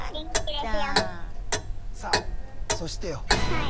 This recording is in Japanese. さあそしてよ。